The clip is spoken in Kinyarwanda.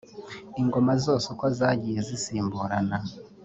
Ingoma zose uko zagiye zisimburana